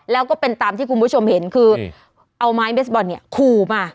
แล้วก็เป็นตามที่คุณผู้ชมเห็นคือเอาไม้เบสบอลเนี่ยขู่มา